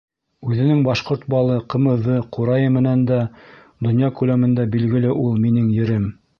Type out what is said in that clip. Үҙенең башҡорт балы, ҡымыҙы, ҡурайы менән дә донъя күләмендә билгеле ул минең ерем.